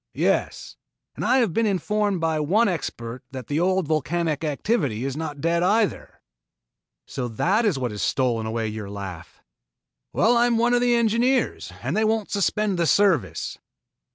"Yes, and I have been informed by one expert that the old volcanic activity is not dead either." "So that is what has stolen away your laugh?" "Well I am one of the engineers and they won't suspend the service."